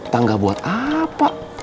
tangga buat apa